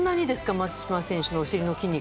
松島選手のお尻の筋肉。